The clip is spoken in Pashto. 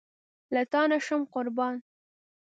له تانه شم قربان